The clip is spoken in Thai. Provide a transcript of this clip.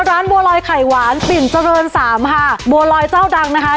ร้านบัวลอยไข่หวานปิ่นเจริญสามค่ะบัวลอยเจ้าดังนะคะ